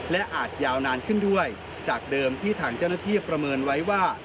และอาจยาวนานขึ้นด้วยจากเดิมที่ทางเจ้าหน้าที่ประเมินไว้ว่า